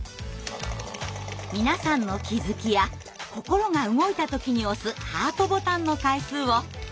皆さんの気づきや心が動いたときに押すハートボタンの回数をカウントします。